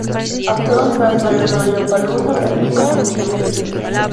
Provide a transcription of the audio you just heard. Actuaron tanto en Lollapalooza Brasil como en Chile.